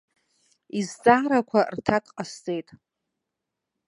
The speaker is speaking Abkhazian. Изҵаарақәа рҭак ҟасҵеит.